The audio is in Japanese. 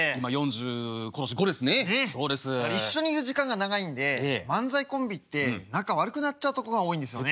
一緒にいる時間が長いんで漫才コンビって仲悪くなっちゃうとこが多いんですよね。